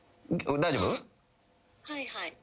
はいはい。